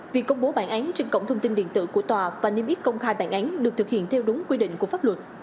việc công bố bản án trên cổng thông tin điện tử của tòa và niêm yết công khai bản án được thực hiện theo đúng quy định của pháp luật